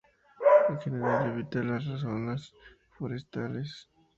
En general evita las zonas forestales.